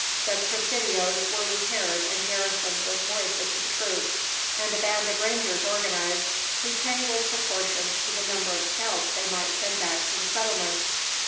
The presidios were repaired and garrisoned with more efficient troops, and a band of rangers organised, whose pay was proportioned to the number of scalps they might send back to the settlements.